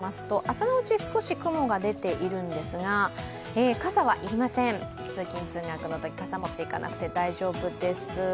都心の空はどうなるかといいますと、朝のうち少し雲が出ているんですが傘は要りません、通勤・通学のとき、傘を持っていかなくて大丈夫です。